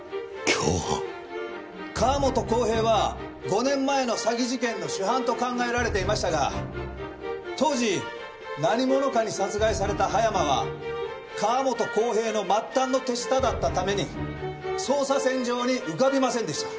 川本浩平は５年前の詐欺事件の主犯と考えられていましたが当時何者かに殺害された葉山は川本浩平の末端の手下だったために捜査線上に浮かびませんでした。